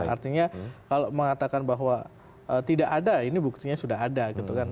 artinya kalau mengatakan bahwa tidak ada ini buktinya sudah ada gitu kan